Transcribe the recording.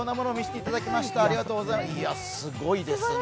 いや、すごいですね。